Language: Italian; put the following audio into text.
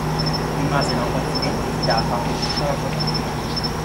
Rimase una confidente fidata per tutta la sua carriera.